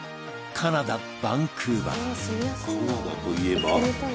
「カナダといえば」